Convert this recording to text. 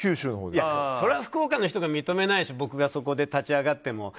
それは福岡の人が認めないし僕が立ち上がっても。